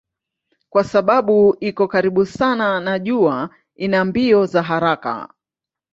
Kwa sababu iko karibu sana na jua ina mbio za haraka.